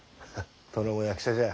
殿も役者じゃ。